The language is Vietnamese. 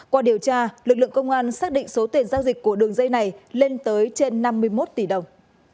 qua điều tra lực lượng công an xác định số tiền giao dịch của đường dây này lên tới trên năm mươi một tỷ đồng